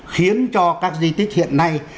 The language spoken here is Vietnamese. khiến cho các di tích hiện nay